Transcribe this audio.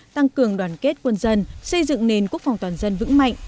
tăng cường đoàn kết quân dân xây dựng nền quốc phòng toàn dân vững mạnh